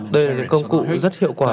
đây là những công cụ rất hiệu quả